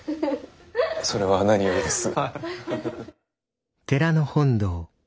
それは何よりです。